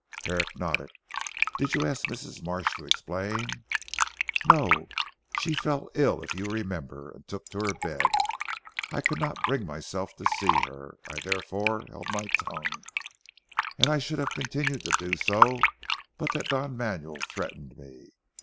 Herrick nodded. "Did you ask Mrs. Marsh to explain?" "No! She fell ill if you remember, and took to her bed. I could not bring myself to see her. I therefore held my tongue, and I should have continued to do so but that Don Manuel threatened me.